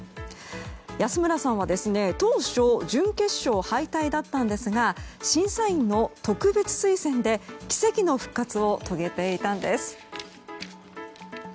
安村さんは当初準決勝敗退だったんですが審査員の特別推薦で奇跡の復活を遂げていたんです。